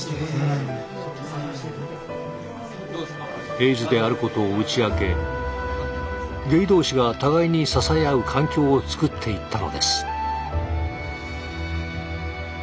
エイズであることを打ち明けゲイ同士が互いに支え合う環境をつくっていったのです。